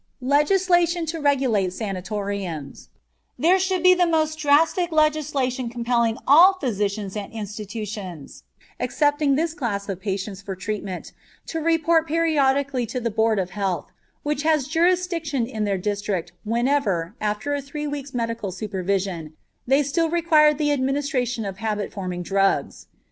LEGISLATION TO REGULATE SANATORIUMS There should be the most drastic legislation compelling all physicians and institutions accepting this class of patients for treatment to report periodically to the board of health which has jurisdiction in their district whenever, after a three weeks' medical supervision, they still require the administration of habit forming drugs.